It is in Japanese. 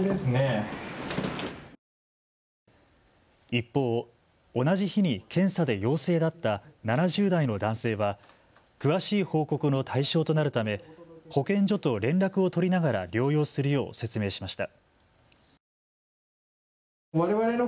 一方、同じ日に検査で陽性だった７０代の男性は詳しい報告の対象となるため保健所と連絡を取りながら療養するよう説明しました。